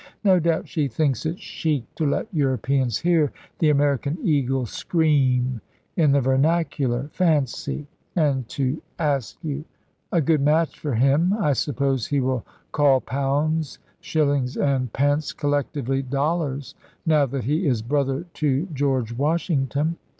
No doubt she thinks it chic to let Europeans hear the American eagle scream in the vernacular. Fancy! and to Askew! A good match for him. I suppose he will call pounds, shillings and pence collectively dollars now that he is brother to George Washington."